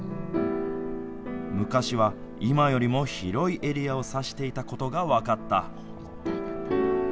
昔は今よりも広いエリアを指していたことが分かった。